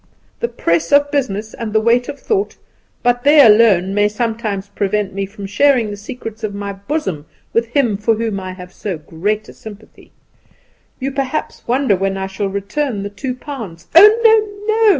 The press of business and the weight of thought, but they alone, may sometimes prevent me from sharing the secrets of my bosom with him for whom I have so great a sympathy. You perhaps wonder when I shall return the two pounds " "Oh, no, no!